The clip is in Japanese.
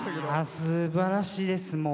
すばらしいです。